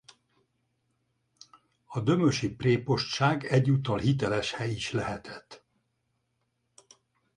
A dömösi prépostság egyúttal hiteleshely is lehetett.